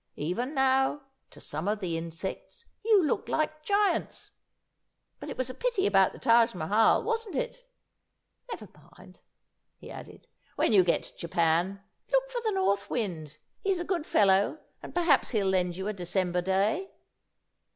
Even now, to some of the insects, you look like giants. But it was a pity about the Taj Mahal, wasn't it? Never mind," he added, "when you get to Japan look for the North Wind. He's a good fellow, and perhaps he'll lend you a December day."